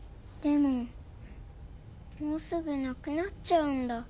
でももうすぐなくなっちゃうんだ。